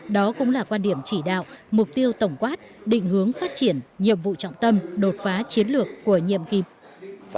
đó cũng là quan điểm chỉ đạo mục tiêu tổng quát định hướng phát triển nhiệm vụ trọng tâm đột phá chiến lược của nhiệm kỳ